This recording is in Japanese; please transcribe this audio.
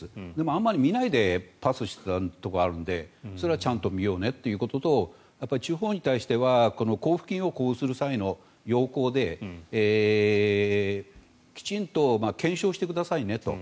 あまり見ないでパスしてたところがあるのでそれはちゃんと見ようねということと地方に対しては交付金を交付する際の要綱できちんと検証してくださいねと。